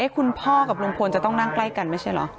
คุณพ่อกับลุงพลจะต้องนั่งใกล้กันไม่ใช่เหรอ